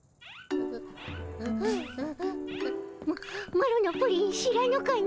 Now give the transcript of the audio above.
ママロのプリン知らぬかの？